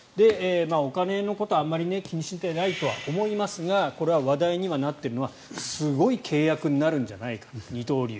お金のことはあまり気にしてないと思いますがこれは話題にはなっているのはすごい契約になるんじゃないか二刀流。